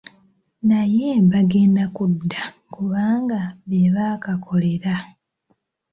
Naye bagenda kudda kubanga be baakakolera.